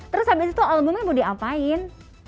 terus abis itu albumnya mau diapain